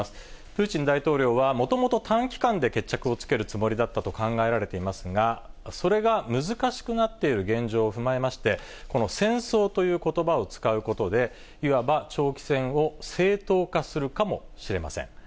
プーチン大統領は、もともと短期間で決着をつけるつもりだったと考えられていますが、それが難しくなっている現状を踏まえまして、この戦争ということばを使うことで、いわば長期戦を正当化するかもしれません。